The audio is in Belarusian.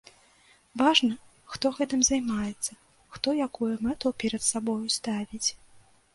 Важна, хто гэтым займаецца, хто якую мэту перад сабою ставіць.